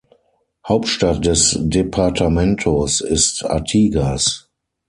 Hauptstadt des Departamentos ist Artigas.